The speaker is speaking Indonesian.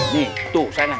nih tuh sana